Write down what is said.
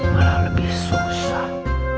malah lebih susah